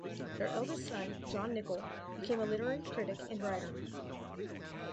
Their eldest son, John Nichol became a literary critic and writer.